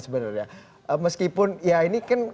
sebenarnya meskipun ya ini kan